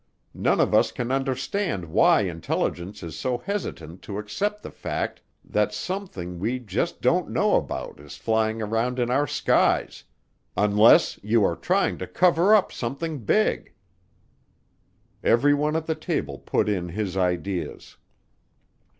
None of us can understand why Intelligence is so hesitant to accept the fact that something we just don't know about is flying around in our skies unless you are trying to cover up something big." Everyone at the table put in his ideas.